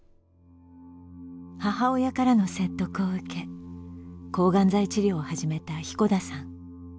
母親からの説得を受け抗がん剤治療を始めた彦田さん。